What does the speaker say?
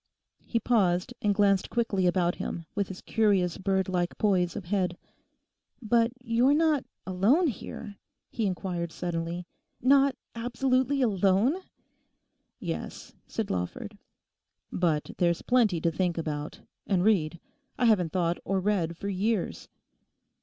He paused and glanced quickly about him, with his curious bird like poise of head. 'But you're not alone here?' he inquired suddenly; 'not absolutely alone?' 'Yes,' said Lawford. 'But there's plenty to think about—and read. I haven't thought or read for years.